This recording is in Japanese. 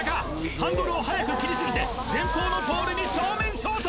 ハンドルを早く切りすぎて前方のポールに正面衝突！